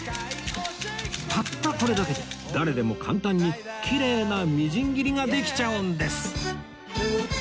たったこれだけで誰でも簡単にきれいなみじん切りができちゃうんです！